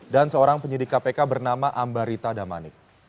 dan seorang penyidik kpk bernama ambarita damanik